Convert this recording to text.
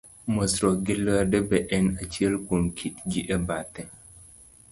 Mosruok gi lwedo be en achiel kuom kitgi e bathe.